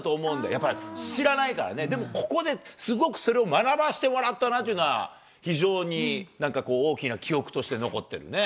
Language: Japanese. やっぱ知らないからね、でもここですごくそれを学ばせてもらったというのは、非常になんか、大きな記憶として残ってるね。